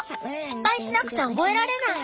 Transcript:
失敗しなくちゃ覚えられない。